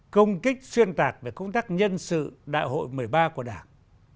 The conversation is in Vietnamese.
công kích xuyên tạc về công tác nhân sự đại hội một mươi ba của đảng